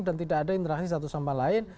dan tidak ada interaksi satu sama lain